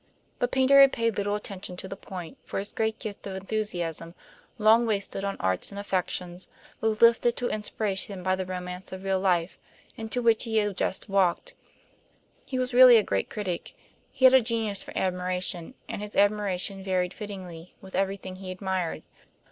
But Paynter had paid little attention to the point; for his great gift of enthusiasm, long wasted on arts and affectations, was lifted to inspiration by the romance of real life into which he had just walked. He was really a great critic; he had a genius for admiration, and his admiration varied fittingly with everything he admired.